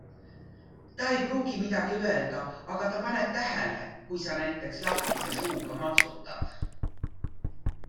Ta ei pruugi midagi öelda, aga ta paneb tähele, kui sa näiteks lahtise suuga matsutad.